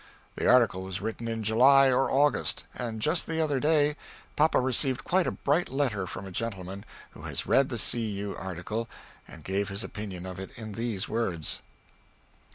The article was written in July or August and just the other day papa received quite a bright letter from a gentleman who has read the C. U. article and gave his opinion of it in these words.